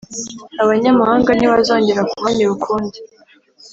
abanyamahanga ntibazongera kuhanyura ukundi!